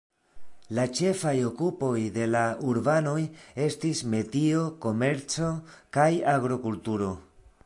La ĉefaj okupoj de la urbanoj estis metio, komerco kaj agrokulturo.